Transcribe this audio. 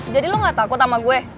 jadi lo gak takut sama gue